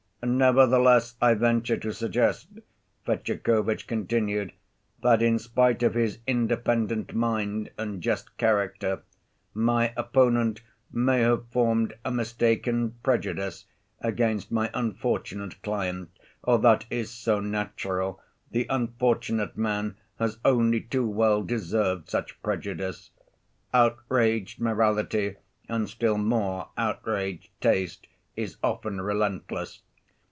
"Nevertheless I venture to suggest," Fetyukovitch continued, "that in spite of his independent mind and just character, my opponent may have formed a mistaken prejudice against my unfortunate client. Oh, that is so natural; the unfortunate man has only too well deserved such prejudice. Outraged morality, and still more outraged taste, is often relentless.